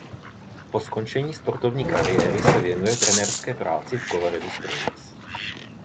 Po skončení sportovní kariéry se věnuje trenérské práci v Coloradu Springs.